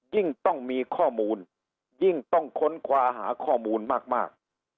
ยิ่งต้องมีข้อมูลยิ่งต้องค้นคว้าหาข้อมูลมาก